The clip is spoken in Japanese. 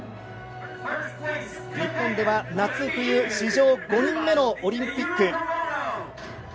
日本では夏冬、史上５人目のオリンピック。